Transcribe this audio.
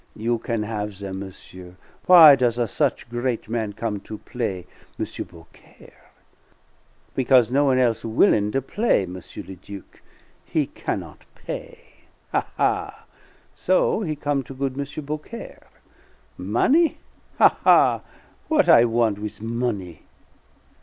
You can have them, monsieur. Why does a such great man come to play M. Beaucaire? Because no one else willin' to play M. le Duc he cannot pay. Ha, ha! So he come' to good Monsieur Beaucaire. Money, ha, ha! What I want with money?"